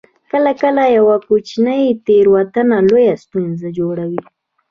کله کله یوه کوچنۍ تیروتنه لویه ستونزه جوړوي